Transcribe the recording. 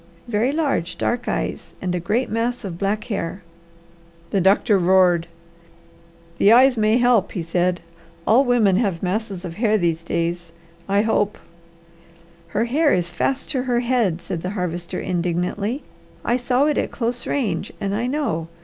"Very large, dark eyes, and a great mass of black hair." The doctor roared. "The eyes may help," he said. "All women have masses of hair these days. I hope " "Her hair is fast to her head," said the Harvester indignantly. "I saw it at close range, and I know.